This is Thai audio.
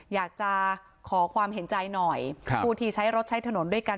อยากจะขอความเห็นใจหน่อยผู้ที่ใช้รถใช้ถนนด้วยกัน